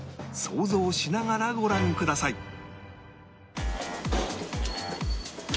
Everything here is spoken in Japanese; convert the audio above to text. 想像しながらご覧ください